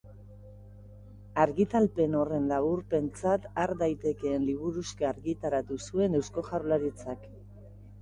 Argitalpen horren laburpentzat har daitekeen liburuxka argitaratu zuen Eusko Jaurlaritzak.